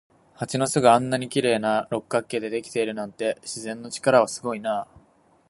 蜂の巣があんなに綺麗な六角形でできているなんて、自然の力はすごいなあ。